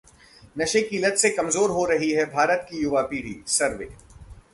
नशे की लत से कमजोर हो रही है भारत की युवी पीढ़ी: सर्वे